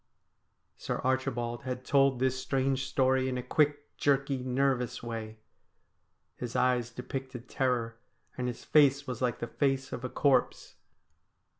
Sir Archibald had told this strange story in a quick, jerky, nervous way. His eyes depicted terror, and his face was like the face of a corpse.